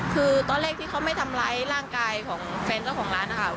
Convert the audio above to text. คือตอนแรกที่เขาไม่ทำร้ายร่างกายของแฟนเจ้าของร้านนะคะ